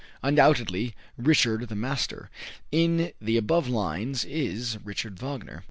Undoubtedly "Richard the Master," in the above lines, is Richard Wagner.